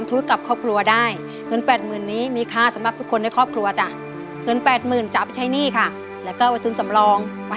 ทุกวันนี้ผมอยู่กับยายสองคน